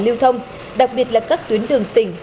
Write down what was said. lưu thông đặc biệt là các tuyến đường tỉnh